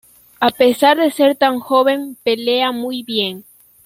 A pesar de ser tan joven pelea muy bien.